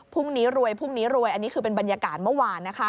พรุ่งนี้รวยพรุ่งนี้รวยอันนี้คือเป็นบรรยากาศเมื่อวานนะคะ